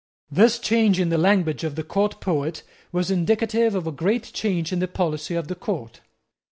This change in the language of the court poet was indicative of a great change in the policy of the court.